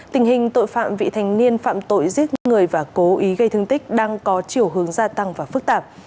tình hình tội phạm vị thành niên phạm tội giết người và cố ý gây thương tích đang có chiều hướng gia tăng và phức tạp